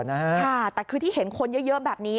แต่คือที่เห็นคนเยอะแบบนี้